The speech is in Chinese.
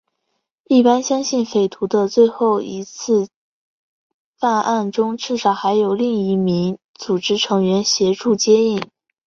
一般相信匪徒的最后一次犯案中至少还有另一名组织成员协助接应。